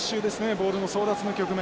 ボールの争奪の局面。